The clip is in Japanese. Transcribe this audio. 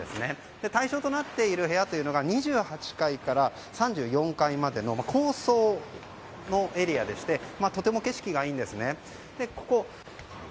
対象となっている部屋というのが２８階から３４階までの高層のエリアでしてとても景色がいいんです。